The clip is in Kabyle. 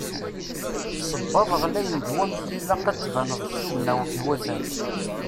Sebbaḍ ɣlayen d wamek i ilaq ad tbaneḍ s tugna iwatan.